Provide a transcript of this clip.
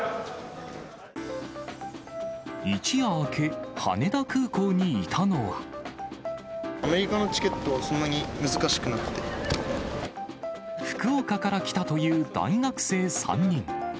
一夜明け、アメリカのチケットはそんな福岡から来たという大学生３人。